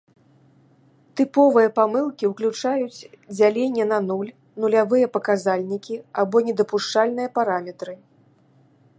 Тыповыя памылкі ўключаюць дзяленне на нуль, нулявыя паказальнікі, або недапушчальныя параметры.